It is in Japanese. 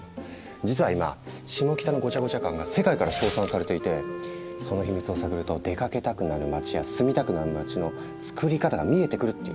実は今シモキタのごちゃごちゃ感が世界から称賛されていてそのヒミツを探ると出かけたくなる街や住みたくなる街のつくり方が見えてくるっていう。